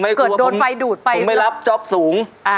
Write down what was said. เกิดโดนไฟดูดไปเหรออ่าคุณชัยก็ไม่รับผมไม่รับจอบสูง